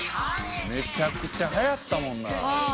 めちゃくちゃ流行ったもんな。